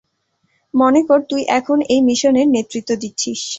মনে কর, তুই এখন এই মিশনের নেতৃত্ব দিচ্ছিস।